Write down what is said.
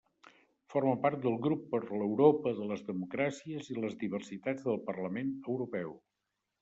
Forma part del Grup per l'Europa de les Democràcies i les Diversitats del Parlament Europeu.